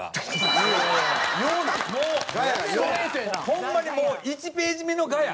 ホンマにもう１ページ目のガヤ。